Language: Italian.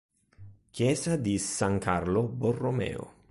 Chiesa di San Carlo Borromeo